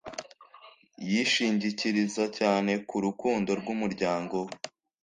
yishingikiriza cyane ku rukundo rw’umuryango we